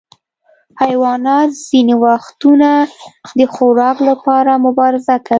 حیوانات ځینې وختونه د خوراک لپاره مبارزه کوي.